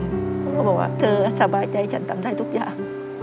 เขาก็บอกว่าเธอสบายใจฉันตามใจทุกอย่าง